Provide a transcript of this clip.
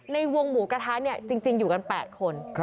ในวงหมูกระทะเนี่ยจริงอยู่กัน๘คน